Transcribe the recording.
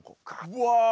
うわ！